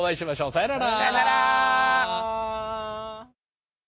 さようなら。